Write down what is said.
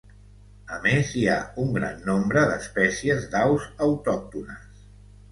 A més, hi ha un gran nombre d'espècies d'aus autòctones.